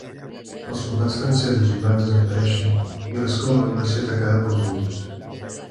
Els soldats francesos van desaparèixer i l'escola va ser atacada pels Hutus.